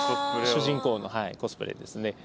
主人公のコスプレですね。